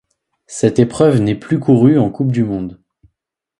Cette épreuve n'est plus courue en Coupe du monde.